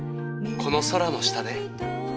この空の下で。